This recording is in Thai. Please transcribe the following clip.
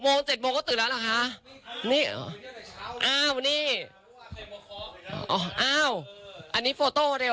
๖โมง๗โมงก็ตื่นแล้วหรอคะนี่อ้าวนี่อ้าวอันนี้โฟโตเร็ว